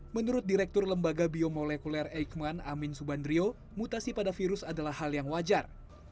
menurut direktur lembaga biomolekuler eikman amin subandrio mutasi pada virus adalah hal yang wajar